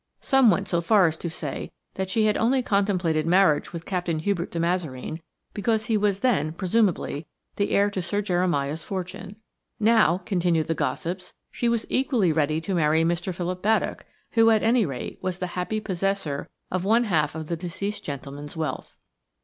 Some went so far as to say that she had only contemplated marriage with Captain Hubert de Mazareen because he was then, presumably, the heir to Sir Jeremiah's fortune; now–continued the gossips–she was equally ready to marry Mr. Philip Baddock, who at any rate was the happy possessor of one half of the deceased gentleman's wealth.